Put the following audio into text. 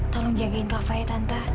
tolong jagain kafa ya tante